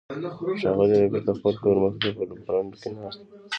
ښاغلی ربیټ د خپل کور مخې ته په برنډه کې ناست و